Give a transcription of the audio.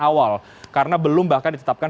awal karena belum bahkan ditetapkan